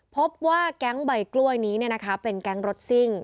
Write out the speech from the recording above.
พบว่าแก๊งใบกล้วยนี้เป็นแก๊งรถซิ่ง